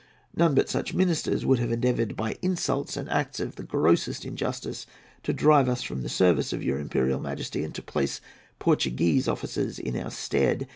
None but such ministers would have endeavoured by insults and acts of the grossest injustice, to drive us from the service of your Imperial Majesty and to place Portuguese officers in our stead.